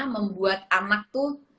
membuat anak tuh